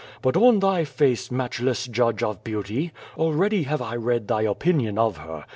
But on thy face, match less judge of beauty, already have I read thy opinion of her.